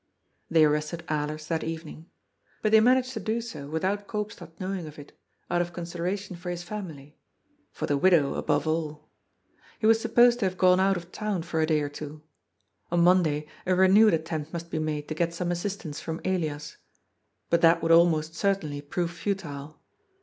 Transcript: They arrested Alers that evening. But they managed to do so without Koopstad knowing of it, out of considera tion for his family — for the widow, above all. He was sup posed to have gone out of town for a day or two. On Mon day a renewed attempt must be made to get some assistance from Elias. But that would almost certainly prove futile.